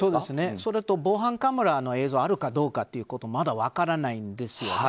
それと防犯カメラの映像があるかどうかということがまだ分からないんですよね。